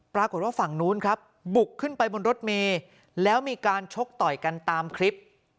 ปรากฏว่าฝั่งนู้นครับบุกขึ้นไปบนรถเมย์แล้วมีการชกต่อยกันตามคลิป